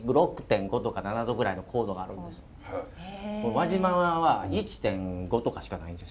輪島は１．５とかしかないんです。